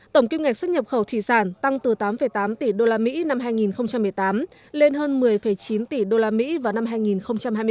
tổng kim ngạch xuất nhập khẩu thủy sản tăng từ tám tám tỷ usd năm hai nghìn một mươi tám lên hơn một mươi chín tỷ usd vào năm hai nghìn hai mươi ba